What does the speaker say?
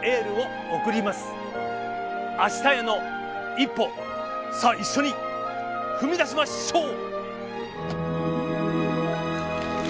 「明日への一歩」さあ一緒に踏み出しましょう！